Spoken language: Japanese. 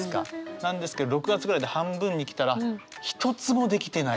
なんですけど６月ぐらいで半分に来たら一つもできてない。